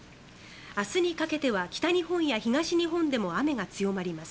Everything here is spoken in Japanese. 明日にかけては北日本や東日本でも雨が強まります。